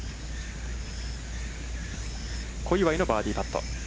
小祝のバーディーパット。